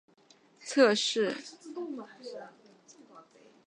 测试自动化的最大优势就是可以快速而且反覆的进行测试。